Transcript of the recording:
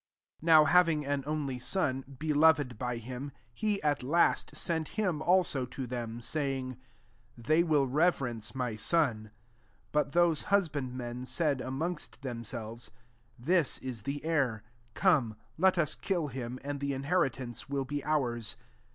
6 " Now having an only son, beloved [by him,] he, at last, sent him also to them, saying, * They will reverence my son.* 7 But those husbandmen said amongst themselves, ' This is the heir ; come, let us kill him, and the inheritance will be ours.'